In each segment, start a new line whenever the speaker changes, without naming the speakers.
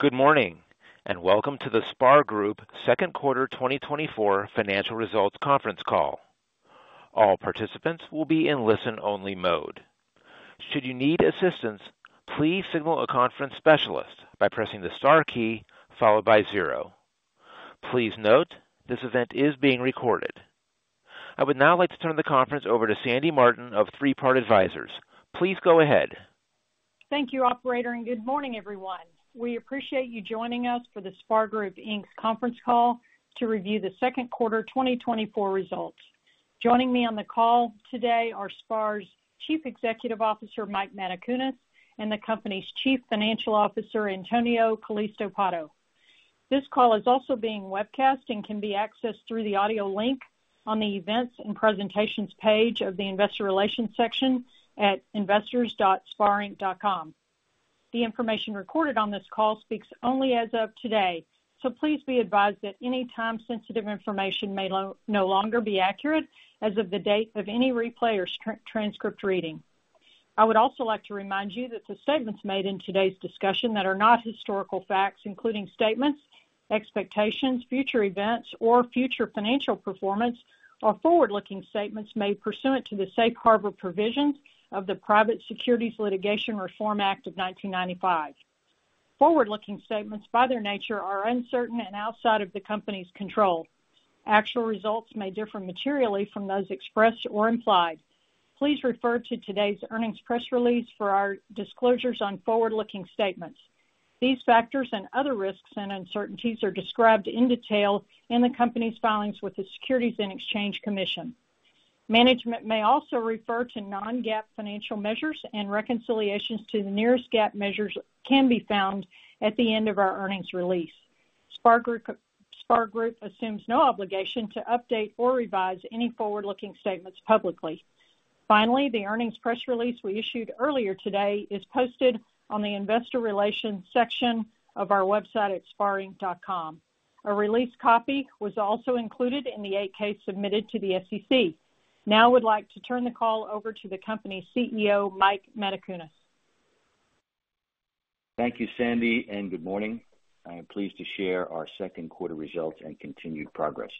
Good morning, and welcome to the SPAR Group second quarter 2024 financial results conference call. All participants will be in listen-only mode. Should you need assistance, please signal a conference specialist by pressing the star key followed by zero. Please note, this event is being recorded. I would now like to turn the conference over to Sandy Martin of Three Part Advisors. Please go ahead.
Thank you, operator, and good morning, everyone. We appreciate you joining us for the SPAR Group, Inc conference call to review the second quarter 2024 results. Joining me on the call today are SPAR's Chief Executive Officer, Mike Matacunas, and the company's Chief Financial Officer, Antonio Calisto Pato. This call is also being webcast and can be accessed through the audio link on the Events and Presentations page of the Investor Relations section at investors.sparinc.com. The information recorded on this call speaks only as of today, so please be advised that any time-sensitive information may no longer be accurate as of the date of any replay or transcript reading. I would also like to remind you that the statements made in today's discussion that are not historical facts, including statements, expectations, future events, or future financial performance, are forward-looking statements made pursuant to the safe harbor provisions of the Private Securities Litigation Reform Act of 1995. Forward-looking statements, by their nature, are uncertain and outside of the company's control. Actual results may differ materially from those expressed or implied. Please refer to today's earnings press release for our disclosures on forward-looking statements. These factors and other risks and uncertainties are described in detail in the company's filings with the Securities and Exchange Commission. Management may also refer to non-GAAP financial measures and reconciliations to the nearest GAAP measures can be found at the end of our earnings release. SPAR Group assumes no obligation to update or revise any forward-looking statements publicly. Finally, the earnings press release we issued earlier today is posted on the Investor Relations section of our website at sparinc.com. A release copy was also included in the 8-K submitted to the SEC. Now, I would like to turn the call over to the company's CEO, Mike Matacunas.
Thank you, Sandy, and good morning. I am pleased to share our second quarter results and continued progress.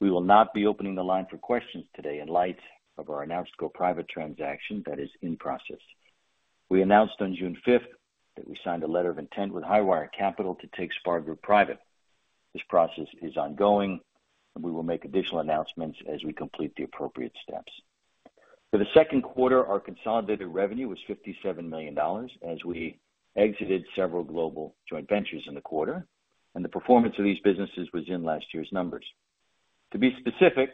We will not be opening the line for questions today in light of our announced go-private transaction that is in process. We announced on June 5th that we signed a letter of intent with Highwire Capital to take SPAR Group private. This process is ongoing, and we will make additional announcements as we complete the appropriate steps. For the second quarter, our consolidated revenue was $57 million as we exited several global joint ventures in the quarter, and the performance of these businesses was in last year's numbers. To be specific,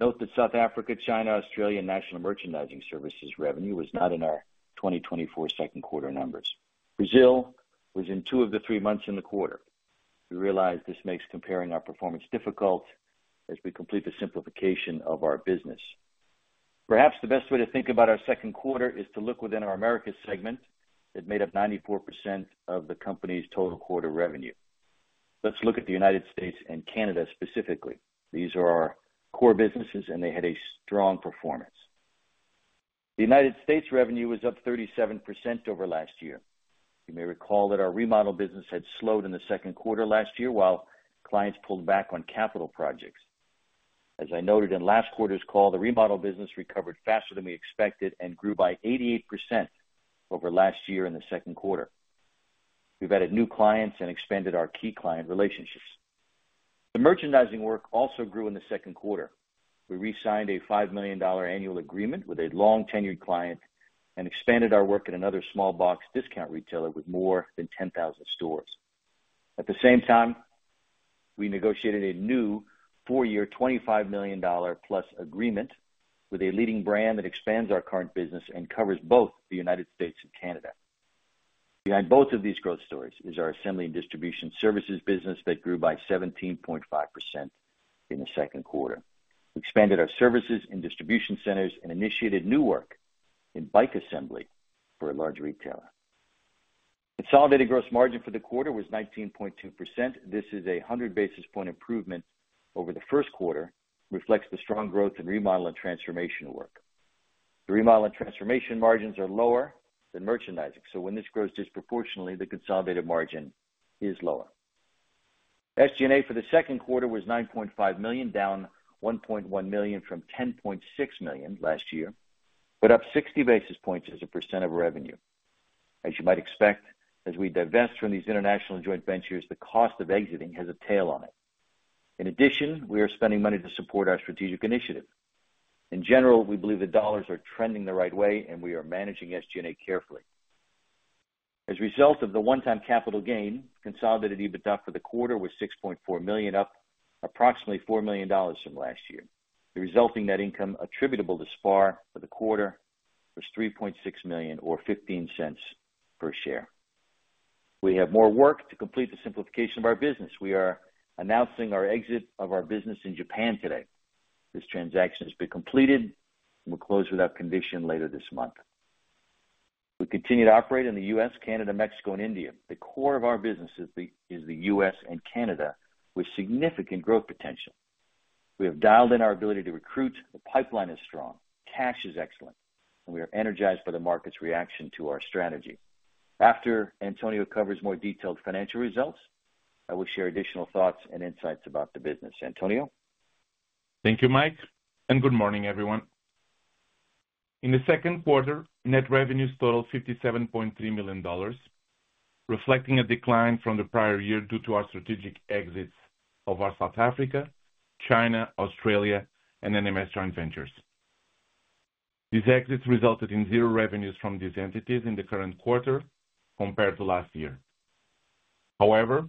note that South Africa, China, Australia, and National Merchandising Services revenue was not in our 2024 second quarter numbers. Brazil was in two of the three months in the quarter. We realize this makes comparing our performance difficult as we complete the simplification of our business. Perhaps the best way to think about our second quarter is to look within our Americas segment that made up 94% of the company's total quarter revenue. Let's look at the United States and Canada specifically. These are our core businesses, and they had a strong performance. The United States revenue was up 37% over last year. You may recall that our remodel business had slowed in the second quarter last year, while clients pulled back on capital projects. As I noted in last quarter's call, the remodel business recovered faster than we expected and grew by 88% over last year in the second quarter. We've added new clients and expanded our key client relationships. The merchandising work also grew in the second quarter. We re-signed a $5 million annual agreement with a long-tenured client and expanded our work at another small box discount retailer with more than 10,000 stores. At the same time, we negotiated a new four-year, $25 million+ agreement with a leading brand that expands our current business and covers both the United States and Canada. Behind both of these growth stories is our assembly and distribution services business that grew by 17.5% in the second quarter. Expanded our services and distribution centers and initiated new work in bike assembly for a large retailer. Consolidated gross margin for the quarter was 19.2%. This is a 100 basis point improvement over the first quarter, reflects the strong growth in remodel and transformation work. The remodel and transformation margins are lower than merchandising, so when this grows disproportionately, the consolidated margin is lower. SG&A for the second quarter was $9.5 million, down $1.1 million from $10.6 million last year, but up 60 basis points as a percent of revenue. As you might expect, as we divest from these international joint ventures, the cost of exiting has a tail on it. In addition, we are spending money to support our strategic initiative. In general, we believe the dollars are trending the right way, and we are managing SG&A carefully. As a result of the one-time capital gain, consolidated EBITDA for the quarter was $6.4 million, up approximately $4 million from last year. The resulting net income attributable to SPAR for the quarter was $3.6 million, or $0.15 per share. We have more work to complete the simplification of our business. We are announcing our exit of our business in Japan today. This transaction has been completed and will close without condition later this month. We continue to operate in the U.S., Canada, Mexico, and India. The core of our business is the U.S. and Canada, with significant growth potential. We have dialed in our ability to recruit, the pipeline is strong, cash is excellent, and we are energized by the market's reaction to our strategy. After Antonio covers more detailed financial results, I will share additional thoughts and insights about the business. Antonio?
Thank you, Mike, and good morning, everyone. In the second quarter, net revenues totaled $57.3 million, reflecting a decline from the prior year due to our strategic exits of our South Africa, China, Australia, and NMS joint ventures. These exits resulted in zero revenues from these entities in the current quarter compared to last year. However,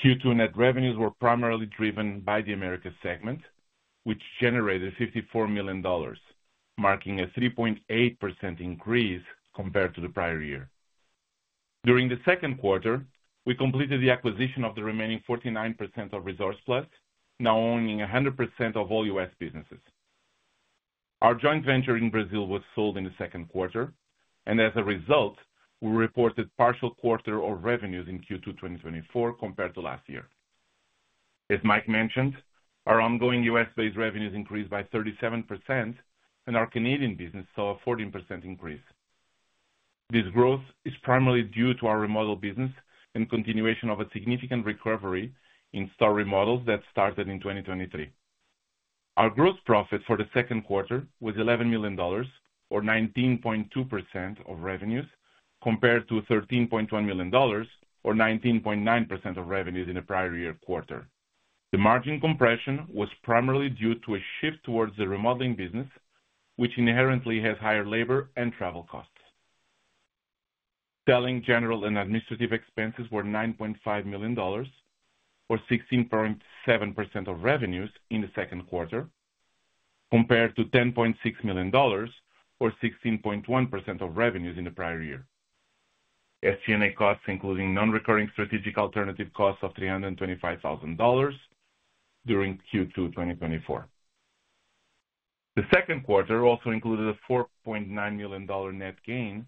Q2 net revenues were primarily driven by the Americas segment, which generated $54 million, marking a 3.8% increase compared to the prior year. During the second quarter, we completed the acquisition of the remaining 49% of Resource Plus, now owning 100% of all U.S. businesses. Our joint venture in Brazil was sold in the second quarter, and as a result, we reported partial quarter of revenues in Q2, 2024 compared to last year. As Mike mentioned, our ongoing U.S.-based revenues increased by 37%, and our Canadian business saw a 14% increase. This growth is primarily due to our remodel business and continuation of a significant recovery in store remodels that started in 2023. Our gross profit for the second quarter was $11 million, or 19.2% of revenues, compared to $13.1 million, or 19.9% of revenues in the prior year quarter. The margin compression was primarily due to a shift towards the remodeling business, which inherently has higher labor and travel costs. Selling, general, and administrative expenses were $9.5 million, or 16.7% of revenues in the second quarter, compared to $10.6 million, or 16.1% of revenues in the prior year. SG&A costs, including non-recurring strategic alternative costs of $325,000 during Q2 2024. The second quarter also included a $4.9 million net gain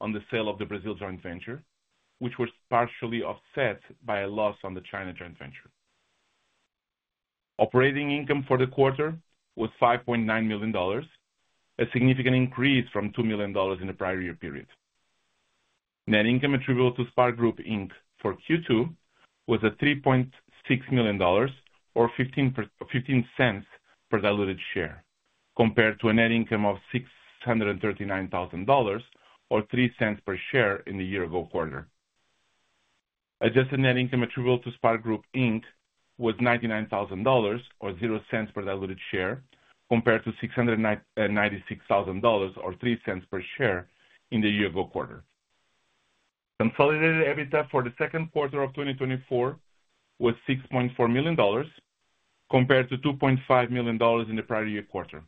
on the sale of the Brazil joint venture, which was partially offset by a loss on the China joint venture. Operating income for the quarter was $5.9 million, a significant increase from $2 million in the prior year period. Net income attributable to SPAR Group, Inc for Q2 was $3.6 million or $0.15 per diluted share, compared to a net income of $639,000 or $0.03 per share in the year ago quarter. Adjusted net income attributable to SPAR Group, Inc was $99,000, or $0.00 per diluted share, compared to $696,000 or $0.03 per share in the year ago quarter. Consolidated EBITDA for the second quarter of 2024 was $6.4 million, compared to $2.5 million in the prior year quarter.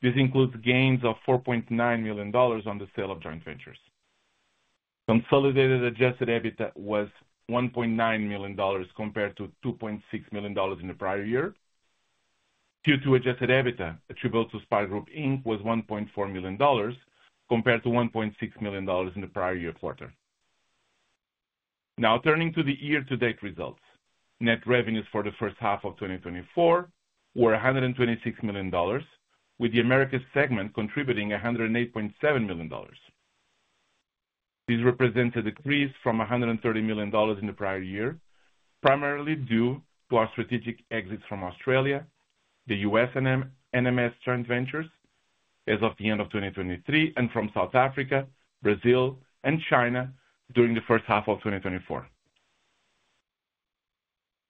This includes gains of $4.9 million on the sale of joint ventures. Consolidated adjusted EBITDA was $1.9 million, compared to $2.6 million in the prior year. Q2 adjusted EBITDA attributable to SPAR Group, Inc was $1.4 million, compared to $1.6 million in the prior year quarter. Now turning to the year-to-date results. Net revenues for the first half of 2024 were $126 million, with the Americas segment contributing $108.7 million. These represent a decrease from $130 million in the prior year, primarily due to our strategic exits from Australia, the U.S. and NMS joint ventures as of the end of 2023, and from South Africa, Brazil, and China during the first half of 2024.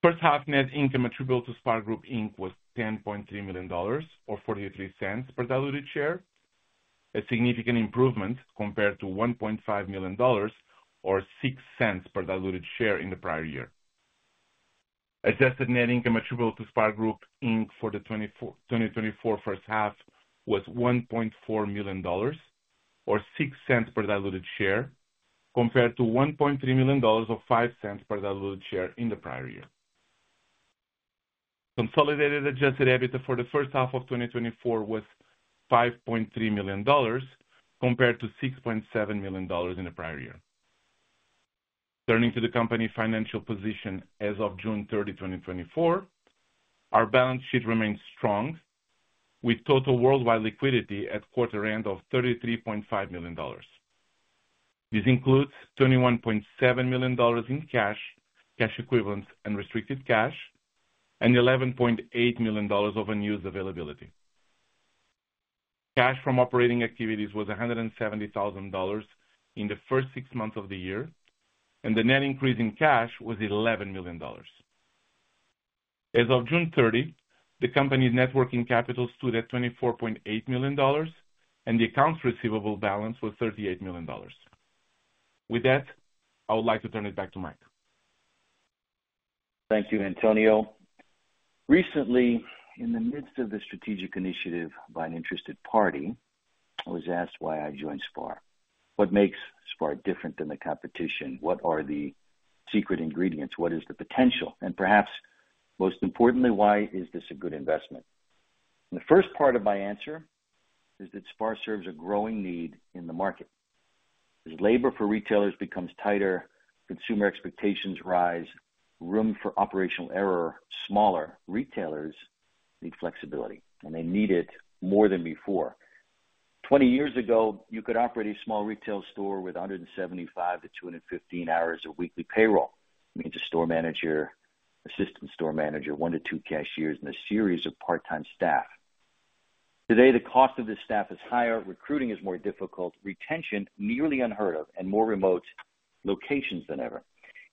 First half net income attributable to SPAR Group, Inc was $10.3 million or $0.43 per diluted share, a significant improvement compared to $1.5 million or $0.06 per diluted share in the prior year. Adjusted net income attributable to SPAR Group, Inc for the 2024 first half was $1.4 million or $0.06 per diluted share, compared to $1.3 million or $0.05 per diluted share in the prior year. Consolidated adjusted EBITDA for the first half of 2024 was $5.3 million, compared to $6.7 million in the prior year. Turning to the company's financial position as of June 30, 2024, our balance sheet remains strong, with total worldwide liquidity at quarter end of $33.5 million. This includes $21.7 million in cash, cash equivalents, and restricted cash, and $11.8 million of unused availability. Cash from operating activities was $170,000 in the first six months of the year, and the net increase in cash was $11 million. As of June 30, the company's net working capital stood at $24.8 million, and the accounts receivable balance was $38 million. With that, I would like to turn it back to Mike.
Thank you, Antonio. Recently, in the midst of the strategic initiative by an interested party, I was asked why I joined SPAR. What makes SPAR different than the competition? What are the secret ingredients? What is the potential? And perhaps most importantly, why is this a good investment? And the first part of my answer is that SPAR serves a growing need in the market. As labor for retailers becomes tighter, consumer expectations rise, room for operational error smaller, retailers need flexibility, and they need it more than before. 20 years ago, you could operate a small retail store with 175-215 hours of weekly payroll, which means a store manager, assistant store manager, 1-2 cashiers, and a series of part-time staff. Today, the cost of this staff is higher, recruiting is more difficult, retention nearly unheard of, and more remote locations than ever.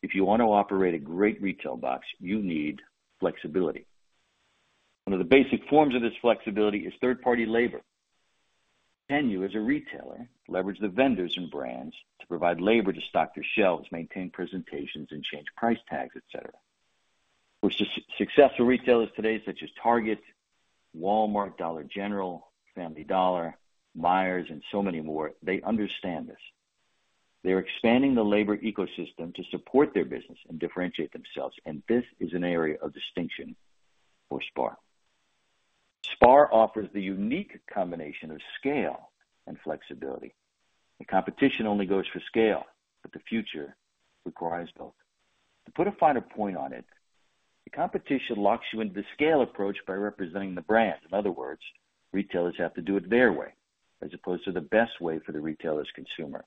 If you want to operate a great retail box, you need flexibility. One of the basic forms of this flexibility is third-party labor. Can you, as a retailer, leverage the vendors and brands to provide labor to stock their shelves, maintain presentations, and change price tags, et cetera? Which successful retailers today, such as Target, Walmart, Dollar General, Family Dollar, Meijer, and so many more, they understand this. They are expanding the labor ecosystem to support their business and differentiate themselves, and this is an area of distinction for SPAR. SPAR offers the unique combination of scale and flexibility. The competition only goes for scale, but the future requires both. To put a finer point on it, the competition locks you into the scale approach by representing the brand. In other words, retailers have to do it their way as opposed to the best way for the retailer's consumer.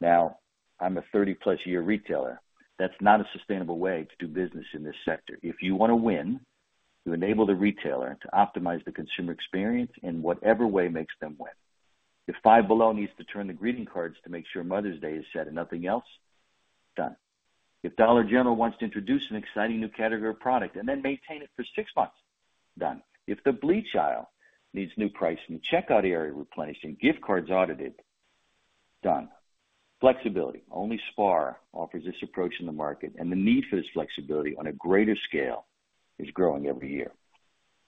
Now, I'm a 30+ year retailer. That's not a sustainable way to do business in this sector. If you want to win, you enable the retailer to optimize the consumer experience in whatever way makes them win. If Five Below needs to turn the greeting cards to make sure Mother's Day is set and nothing else, done. If Dollar General wants to introduce an exciting new category of product and then maintain it for six months, done. If the bleach aisle needs new pricing, the checkout area replenished, and gift cards audited, done. Flexibility. Only SPAR offers this approach in the market, and the need for this flexibility on a greater scale is growing every year.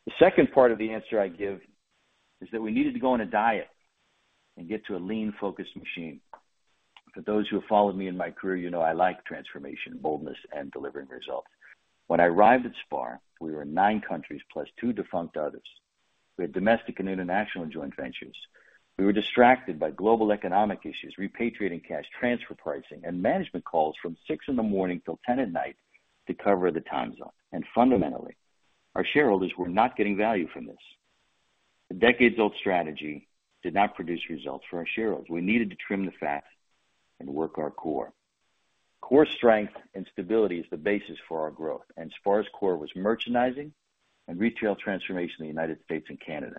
The second part of the answer I give is that we needed to go on a diet and get to a lean, focused machine. For those who have followed me in my career, you know I like transformation, boldness, and delivering results. When I arrived at SPAR, we were in nine countries plus two defunct others. We had domestic and international joint ventures. We were distracted by global economic issues, repatriating cash, transfer pricing, and management calls from 6:00 A.M. till 10:00 P.M. to cover the time zone. Fundamentally, our shareholders were not getting value from this. The decades-old strategy did not produce results for our shareholders. We needed to trim the fat and work our core. Core strength and stability is the basis for our growth, and SPAR's core was merchandising and retail transformation in the United States and Canada.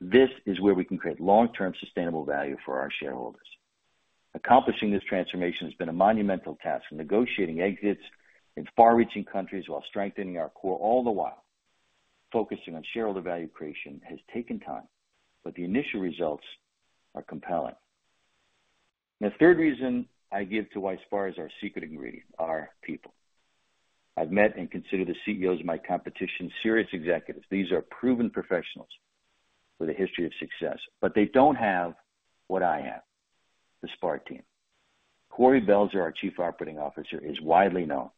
This is where we can create long-term sustainable value for our shareholders. Accomplishing this transformation has been a monumental task, from negotiating exits in far-reaching countries while strengthening our core, all the while focusing on shareholder value creation, has taken time, but the initial results are compelling. The third reason I give to why SPAR is our secret ingredient, our people. I've met and consider the CEOs of my competition serious executives. These are proven professionals with a history of success, but they don't have what I have, the SPAR team. Kori Belzer, our Chief Operating Officer, is widely known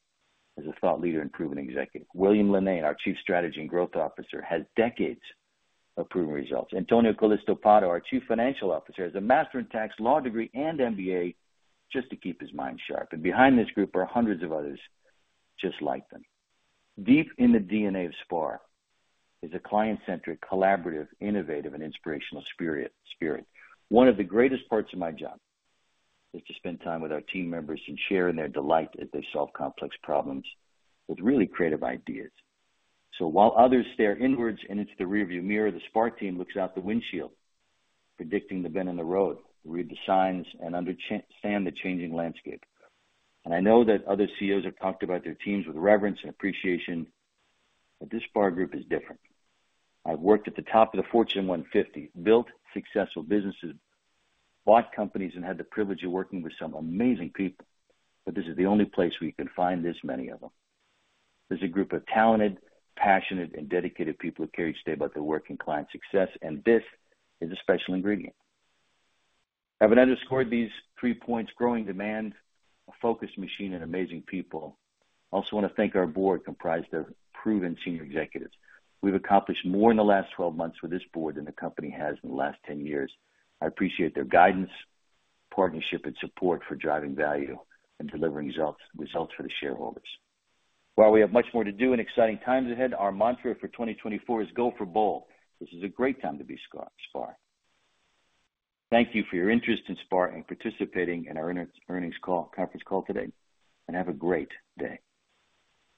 as a thought leader and proven executive. William Linnane, our Chief Strategy and Growth Officer, has decades of proven results. Antonio Calisto Pato, our Chief Financial Officer, has a master in tax law degree and MBA just to keep his mind sharp. Behind this group are hundreds of others just like them. Deep in the DNA of SPAR is a client-centric, collaborative, innovative, and inspirational spirit. One of the greatest parts of my job is to spend time with our team members and share in their delight as they solve complex problems with really creative ideas. So while others stare inwards and into the rearview mirror, the SPAR team looks out the windshield, predicting the bend in the road, read the signs, and understand the changing landscape. I know that other CEOs have talked about their teams with reverence and appreciation, but this SPAR group is different. I've worked at the top of the Fortune 150, built successful businesses, bought companies, and had the privilege of working with some amazing people, but this is the only place where you can find this many of them. This is a group of talented, passionate, and dedicated people who care each day about their work and client success, and this is a special ingredient. I have underscored these three points, growing demand, a focused machine, and amazing people. I also want to thank our board, comprised of proven senior executives. We've accomplished more in the last 12 months with this board than the company has in the last 10 years. I appreciate their guidance, partnership, and support for driving value and delivering results, results for the shareholders. While we have much more to do and exciting times ahead, our mantra for 2024 is "Go for bold." This is a great time to be SPAR. Thank you for your interest in SPAR and participating in our earnings conference call today, and have a great day.